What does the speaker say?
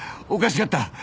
おかしかった。